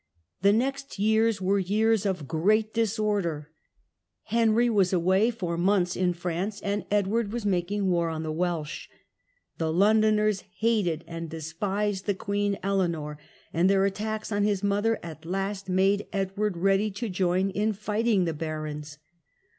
The next years were years of great disorder. Henry was away for months in France, and Edward was making war on the Welsh. The Londoners hated and despised the Queen Eleanor, and their attacks on his mother at last made Edward ready to join in fighting the barons.